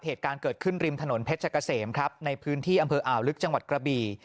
เหตุการณ์เกิดขึ้นริมถนนเพชรเกษมครับในพื้นที่อำเภออ่าวลึกจังหวัดกระบี่